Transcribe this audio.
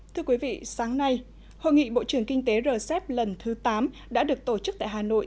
thưa quý vị sáng nay hội nghị bộ trưởng kinh tế rcep lần thứ tám đã được tổ chức tại hà nội